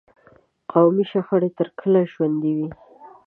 قومي شخړې تر کله ژوندي وي.